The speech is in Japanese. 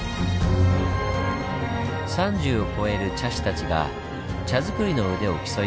３０を超える茶師たちが茶づくりの腕を競い合った宇治。